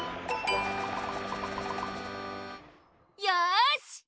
よし！